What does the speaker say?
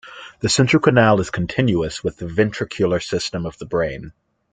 The central canal is continuous with the ventricular system of the brain.